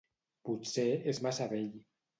Potser és massa vell.